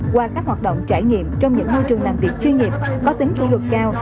qua các hoạt động trải nghiệm trong những môi trường làm việc chuyên nghiệp có tính chủ lực cao